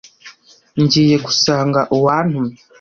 ngiye gusanga uwantumye